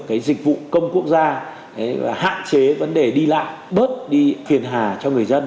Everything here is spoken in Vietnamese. cái dịch vụ công quốc gia hạn chế vấn đề đi lạ bớt đi phiền hà cho người dân